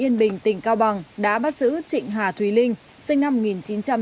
nguyên bình tỉnh cao bằng đã bắt giữ trịnh hà thùy linh sinh năm một nghìn chín trăm chín mươi hai